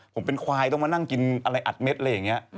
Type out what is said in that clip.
ผมเป็นควายต้องมานั่งกินอะไรอัดเม็ดอะไรอย่างนี้